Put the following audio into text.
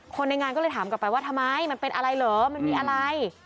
คนในงานก็เลยถามกลับไปว่าทำไมมันเป็นอะไรเหรอมันมีอะไร